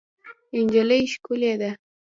نجلۍ ښکلې ده.